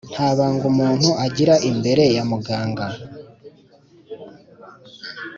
nta banga umuntu agira imbere ya muganga.